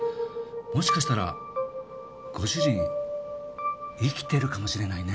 もしかしたらご主人生きてるかもしれないね。